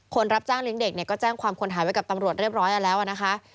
รับจ้างเลี้ยงเด็กเนี่ยก็แจ้งความคนหายไว้กับตำรวจเรียบร้อยแล้วนะคะ